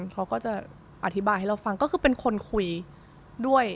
เขาก็จะอธิบายให้เราฟังก็คือเป็นคนคุยด้วย